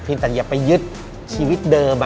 แต่อย่าไปยึดชีวิตเดิม